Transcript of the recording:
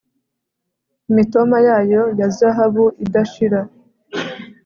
imitoma yayo ya zahabu idashira